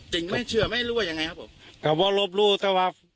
จึงไม่เชื่อไม่รู้ว่าจะรู้นะครับ